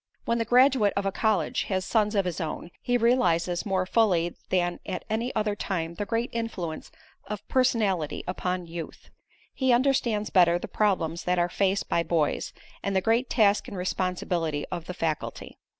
When the graduate of a college has sons of his own, he realizes more fully than at any other time the great influence of personality upon youth. He understands better the problems that are faced by boys, and the great task and responsibility of the faculty.